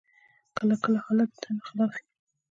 کله کله حالات د تمي خلاف وي.